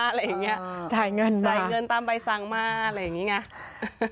อะไรอย่างนี้จ่ายเงินจ่ายเงินตามใบสั่งมาอะไรอย่างนี้ไง